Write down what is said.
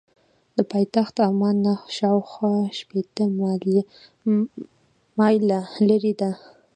له پایتخت عمان نه شاخوا شپېته مایله لرې ده.